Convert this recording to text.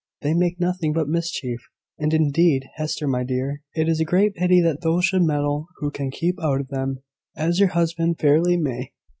They make nothing but mischief. And, indeed, Hester, my dear, it is a great pity that those should meddle who can keep out of them, as your husband fairly may.